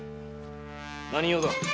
何用だ。